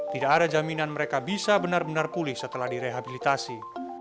tidak ada jaminan mereka bisa benar benar pulih setelah direhabilitasi